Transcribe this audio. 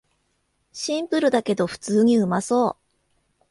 シンプルだけど普通にうまそう